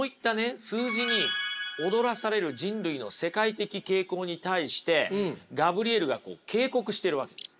数字に踊らされる人類の世界的傾向に対してガブリエルが警告してるわけです。